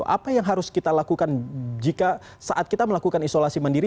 apa yang harus kita lakukan jika saat kita melakukan isolasi mandiri